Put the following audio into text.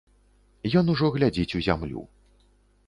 Ён ужо глядзіць у зямлю.